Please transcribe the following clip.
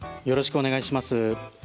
よろしくお願いします。